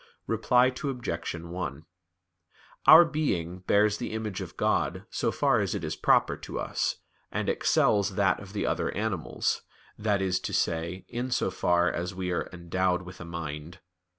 Reply Obj. 1: Our being bears the image of God so far as it is proper to us, and excels that of the other animals, that is to say, in so far as we are endowed with a mind.